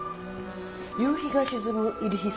夕日が沈む入日荘？